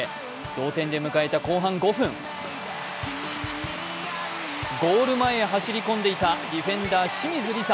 同点で迎えた後半５分ゴール前へ走り込んでいた、ディフェンダー・清水梨紗。